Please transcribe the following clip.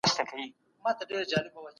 د دغه زخم ماسيوا به نور بدن ته نه ګوري.